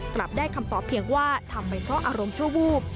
กลับได้คำตอบเพียงว่าทำไปเพราะอารมณ์ชั่ววูบ